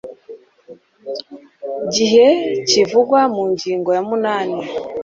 gihe kivugwa mu ngingo ya munani